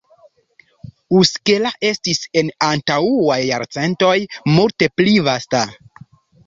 Uskela estis en antaŭaj jarcentoj multe pli vasta.